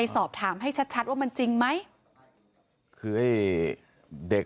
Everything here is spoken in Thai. หลังจากนี้จะทำเรื่องถึงประสูงศึกษาธิการเพื่อถามข้อที่จริง